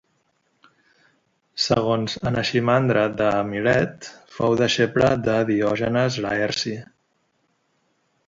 Segons Anaximandre de Milet, fou deixeble de Diògenes Laerci.